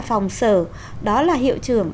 phòng sở đó là hiệu trưởng